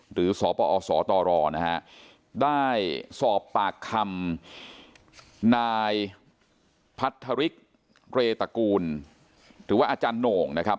หรือสอบประอบสอตรรอนะฮะได้สอบปากคำนายพัฒนธริกเรตกูลถือว่าอาจารย์โหน่งนะครับ